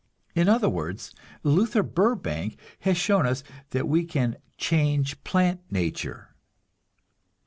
In other words, Luther Burbank has shown us that we can "change plant nature."